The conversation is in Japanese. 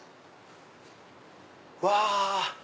うわ！